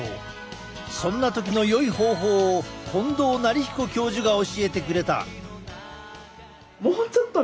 そんな時のよい方法を近藤徳彦教授が教えてくれた。